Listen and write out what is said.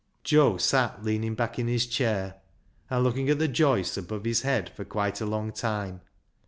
Joe sat leaning back in his chair, and looking at the joists above his head for quite a long time.